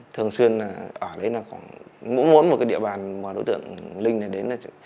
thường xuyên ở đấy là khoảng mỗi một địa bàn mà đối tượng linh này đến